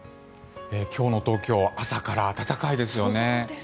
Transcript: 今日の東京朝から暖かいですよね。